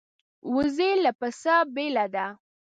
وزې له پسه بېله ده